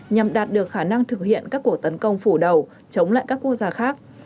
nhằm đạt được khả năng thực hiện các cuộc tấn công phủ đầu chống lại các quốc gia khác